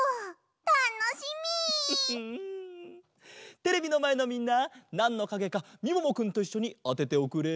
テレビのまえのみんななんのかげかみももくんといっしょにあてておくれ。